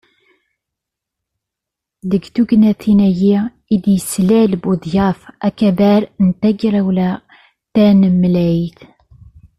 Deg tegnatin-agi i d-yeslal Buḍyaf akabar n Tegrawla Tanemlayt.